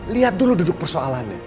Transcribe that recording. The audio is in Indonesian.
lihat dulu duduk persoalannya